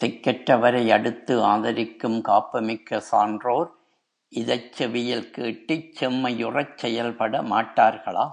திக்கற்றவரை அடுத்து ஆதரிக்கும் காப்புமிக்க சான்றோர் இதைச் செவியில் கேட்டுச் செம்மை யுறச் செயல்பட மாட்டார்களா?